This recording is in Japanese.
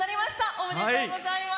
おめでとうございます。